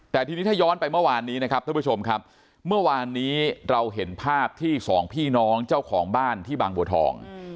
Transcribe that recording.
แต่ทีนี้ถ้าย้อนไปเมื่อวานนี้นะครับท่านผู้ชมครับเมื่อวานนี้เราเห็นภาพที่สองพี่น้องเจ้าของบ้านที่บางบัวทอง